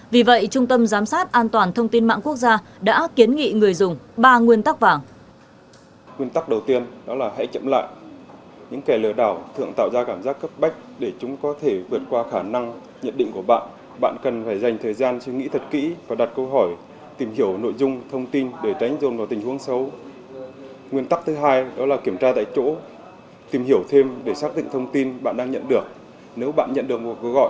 vì vậy trung tâm giám sát an toàn thông tin mạng quốc gia đã kiến nghị người dùng ba nguyên tắc vàng